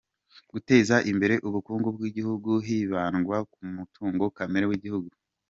Guteza imbere ubukungu bw’igihugu hibandwa ku mutungo kamere w’igihugu